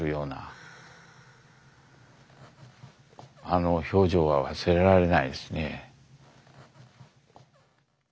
あの表情は忘れられないですね。